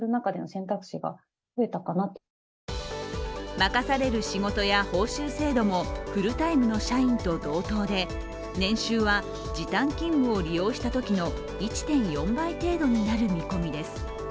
任される仕事や報酬制度もフルタイムの社員と同等で年収は時短勤務を利用したときの１．４倍程度になる見込みです。